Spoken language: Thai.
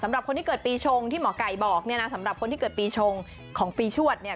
สำหรับคนที่เกิดปีชงที่หมอไก่บอกเนี่ยนะสำหรับคนที่เกิดปีชงของปีชวดเนี่ย